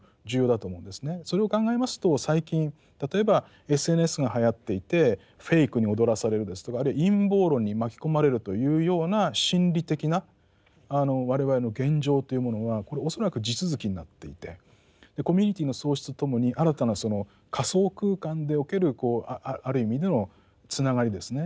それを考えますと最近例えばＳＮＳがはやっていてフェイクに踊らされるですとかあるいは陰謀論に巻き込まれるというような心理的な我々の現状というものはこれ恐らく地続きになっていてコミュニティーの創出とともに新たなその仮想空間でおけるある意味でのつながりですね